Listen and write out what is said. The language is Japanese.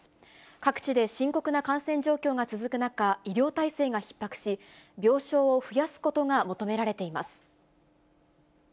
各地で深刻な感染状況が続く中、医療体制がひっ迫し、病床を増やすことが求められています。